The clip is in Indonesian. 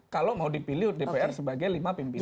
kalau mau dipilih dpr sebagai lima pimpinan ke depan